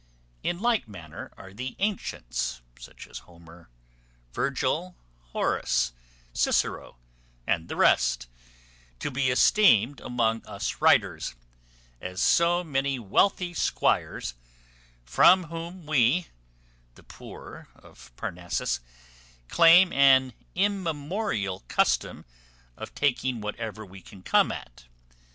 In like manner are the antients, such as Homer, Virgil, Horace, Cicero, and the rest, to be esteemed among us writers, as so many wealthy squires, from whom we, the poor of Parnassus, claim an immemorial custom of taking whatever we can come at.